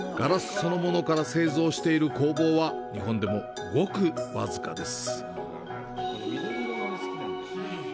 そのものから製造している工房は、日本でもごく僅かです。